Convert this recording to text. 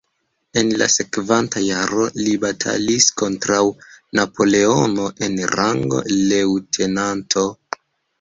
En la sekvanta jaro li batalis kontraŭ Napoleono en rango leŭtenanto.